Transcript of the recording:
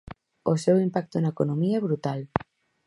O seu impacto na economía é brutal.